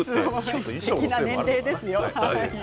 すてきな年齢ですよ。